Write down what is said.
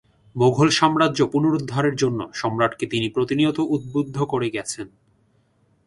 মোগল সাম্রাজ্য পুনরুদ্ধারের জন্য সম্রাটকে তিনি প্রতিনিয়ত উদ্বুদ্ধ করে গেছেন।